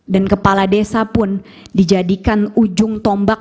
dan kepala desa pun dijadikan ujung tombol